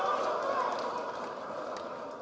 tidak bisa kita bermanja manja